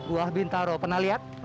buah bintaro pernah lihat